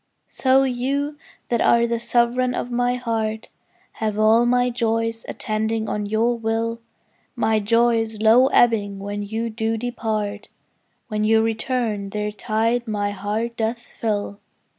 So you that are the sovereign of my heart Have all my joys attending on your will; My joys low ebbing when you do depart, When you return their tide my heart doth fill.